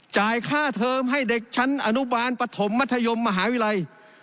จ่ายค่าเทอมให้เด็กชั้นอนุบาลปฐมมัธยมมหาวิทยาลัย